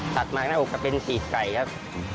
ถาดมาขนาดออกจะเป็นสีไก่ครับ